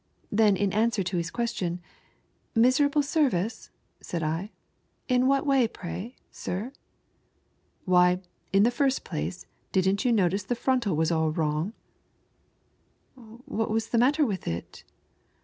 Then in answer to his question, "Miserable service?" said I, "in what way pray, sir ?" "Why, in the first place, didn't you notice the frontal was all wrong?" " What was the matter with it